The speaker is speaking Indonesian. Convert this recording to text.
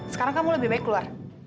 sekarang kamu lebih baik keluar